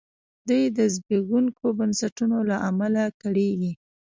دوی د زبېښونکو بنسټونو له امله کړېږي.